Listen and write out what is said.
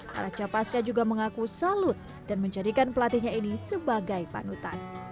para capaska juga mengaku salut dan menjadikan pelatihnya ini sebagai panutan